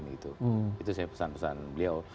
itu saya pesan pesan beliau